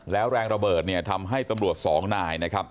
แล้วแรงระเบิดทำให้ตำรวจ๒นายนะครับ